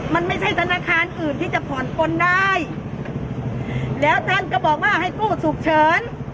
มันไม่ใช่ธนาคารอื่นที่จะผ่อนปนได้แล้วท่านก็บอกว่าให้กู้ฉุกเฉิน